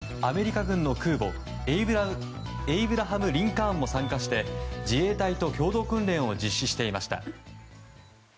日本海では８日からアメリカ軍の空母「エイブラハム・リンカーン」も参加して自衛隊と共同訓練を実施していました。